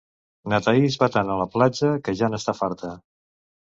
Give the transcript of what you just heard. Na Thaís va tant a la platja que ja n'està farta.